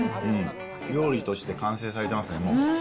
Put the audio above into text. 料理として完成されてますね、もう。